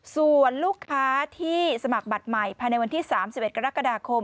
ส่วนลูกค้าที่สมัครบัตรใหม่ภายในวันที่๓๑กรกฎาคม